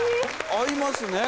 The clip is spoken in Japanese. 合いますね！